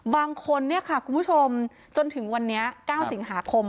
บางคนเนี่ยค่ะคุณผู้ชมจนถึงวันนี้๙สิงหาคม